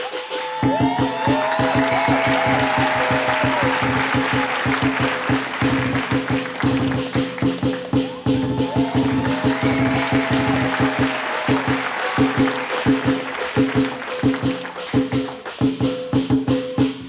มันสนุกมากมันมีความสุขมากครับ